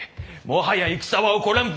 もはや戦は起こらん。